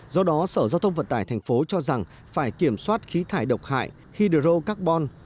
do đó sở giao thông vận tải tp hcm cho rằng phải kiểm soát khí thải độc hại hydrocarbon